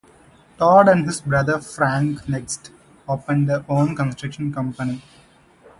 Todd and his brother, Frank, next opened their own construction company.